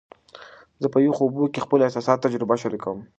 زه په یخو اوبو کې د خپلو احساساتو تجربه شریکوم.